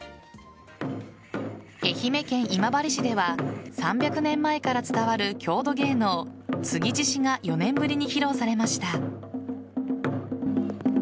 愛媛県今治市では３００年前から伝わる郷土芸能継ぎ獅子が４年ぶりに披露されました。